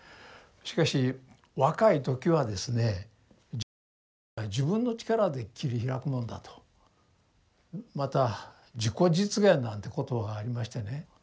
しかし若い時はですね人生というのは自分の力で切り開くもんだと。また自己実現なんて言葉がありましてね。